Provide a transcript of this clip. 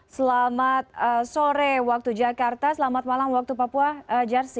selamat sore waktu jakarta selamat malam waktu papua jersi